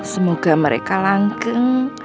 semoga mereka langkeng